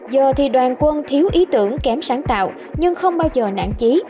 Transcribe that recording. giờ thì đoàn quân thiếu ý tưởng kém sáng tạo nhưng không bao giờ nản trí